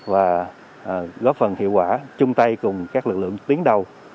và góp phần hiệu quả chung tay cùng các lực lượng tiến đầu